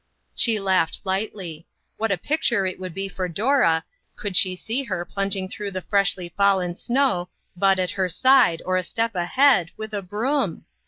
She laughed lightly. What a picture it would be for Dora, could she see her plung ing through the freshly fallen snow, Bud at her side, or a step ahead, with a broom